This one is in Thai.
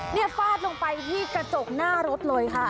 นี่ฟาดลงไปที่กระจกหน้ารถเลยค่ะ